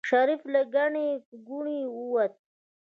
شريف له ګڼې ګوڼې ووت.